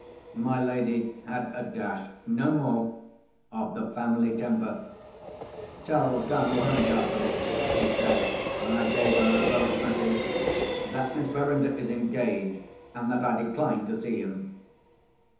My lady had a dash—no more—of the family temper. "Tell Colonel Herncastle," she said, when I gave her her brother's message, "that Miss Verinder is engaged, and that I decline to see him."